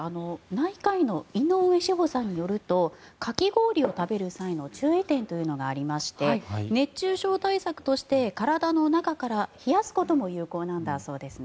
内科医の井上志穂さんによるとかき氷を食べる際の注意点というのがありまして熱中症対策として体の中から冷やすことも有効なんだそうです。